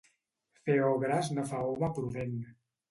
Fer obres no fa home prudent.